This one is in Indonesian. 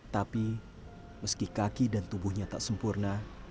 tapi meski kaki dan tubuhnya tak sempurna